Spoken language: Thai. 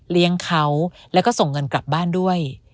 เลี้ยงเขาแล้วก็ส่งเงินกลับบ้านด้วย